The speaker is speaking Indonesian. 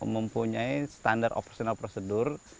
mempunyai standar operasional prosedur